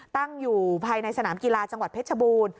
ตั้งอยู่ภายในสนามกีฬาจังหวัดเพชรบูรณ์